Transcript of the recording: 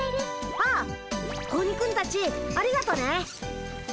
あっ子鬼君たちありがとね。